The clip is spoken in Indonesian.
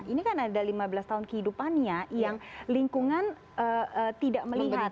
ini kan ada lima belas tahun kehidupannya yang lingkungan tidak melihat